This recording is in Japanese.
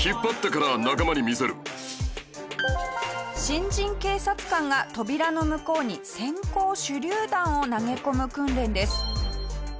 新人警察官が扉の向こうに閃光手榴弾を投げ込む訓練です。